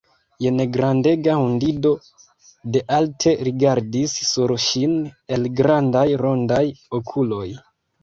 Jen grandega hundido de alte rigardis sur ŝin el grandaj rondaj okuloj.